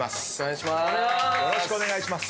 よろしくお願いします。